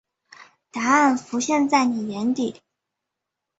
答案浮现在妳眼底